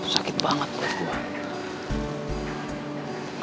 sakit banget buat gue